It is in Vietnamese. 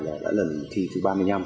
là lần thi thứ ba mươi năm